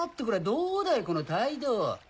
どうだいこの態度！